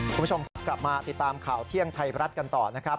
คุณผู้ชมครับกลับมาติดตามข่าวเที่ยงไทยรัฐกันต่อนะครับ